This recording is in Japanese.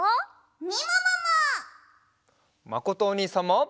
まことおにいさんも。